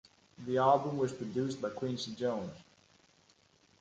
The album was produced by Quincy Jones.